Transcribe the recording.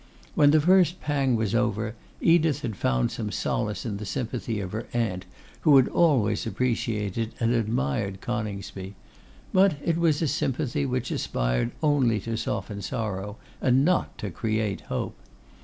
When the first pang was over, Edith had found some solace in the sympathy of her aunt, who had always appreciated and admired Coningsby; but it was a sympathy which aspired only to soften sorrow, and not to create hope.